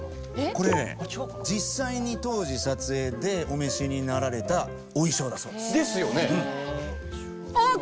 これね実際に当時撮影でお召しになられたお衣装だそうです。ですよね！